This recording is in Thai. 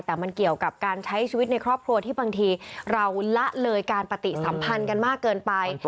แต่มันเกี่ยวกับการใช้ชีวิตในครอบครัวที่บางทีเราละเลยการปฏิสัมพันธ์กันมากเกินไป